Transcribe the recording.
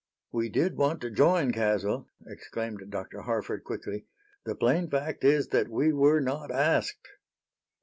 "We did want to join, Caswell," exclaimed Dr. Harford, quickly. "The plain fact is that we were not asked."